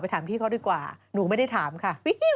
ถามพี่เขาดีกว่าหนูไม่ได้ถามค่ะ